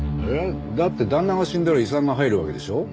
だって旦那が死んだら遺産が入るわけでしょ？